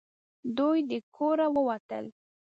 دوی د کوره ووتل .